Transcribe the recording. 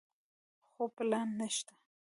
خو پلان نشته.